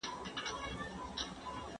که تمه پوره نه شي، زړه توریږي.